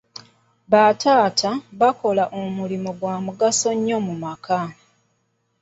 Bataata bakola omulimu gwa mugaso nnyo mu maka.